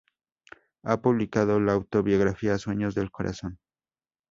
Ha publicado la autobiografía "Sueños del corazón".